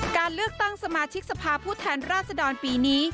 การเลือกตั้งสมาชิกสภาพผู้แทนราชดรปีนี้